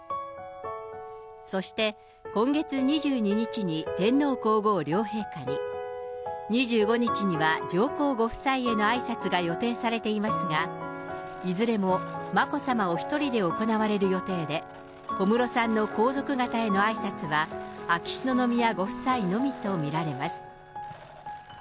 そして今月２２日に天皇皇后両陛下に、２５日には上皇ご夫妻へのあいさつが予定されていますが、いずれも眞子さまお１人で行われる予定で、小室さんの皇族方へのあいさつは、秋篠宮ご夫妻のみと見られます。